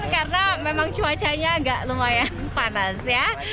karena memang cuacanya nggak lumayan panas ya